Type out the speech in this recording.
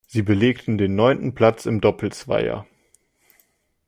Sie belegten den neunten Platz im Doppelzweier.